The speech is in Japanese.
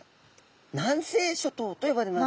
南西諸島と呼ばれます。